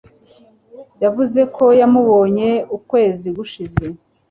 Yavuze ko yamubonye ukwezi gushize.